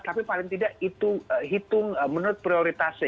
tapi paling tidak itu hitung menurut prioritasnya